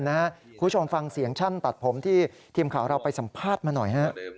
คุณผู้ชมฟังเสียงช่างตัดผมที่ทีมข่าวเราไปสัมภาษณ์มาหน่อยฮะ